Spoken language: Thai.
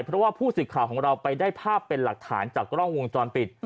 เพราะว่าผู้สื่อข่าวของเราไปได้ภาพเป็นหลักฐานจากกล้องวงจรปิด